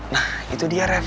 nah itu dia ref